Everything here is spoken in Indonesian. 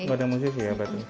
gak ada musisi apa itu